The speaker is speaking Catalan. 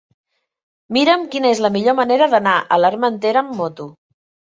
Mira'm quina és la millor manera d'anar a l'Armentera amb moto.